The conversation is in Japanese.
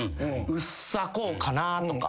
薄さこうかな？とか。